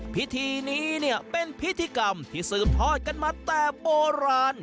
พิธีนี้เนี่ยเป็นพิธีกรรมที่สืบทอดกันมาแต่โบราณ